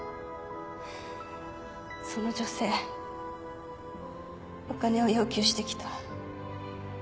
その女性お金を要求してきた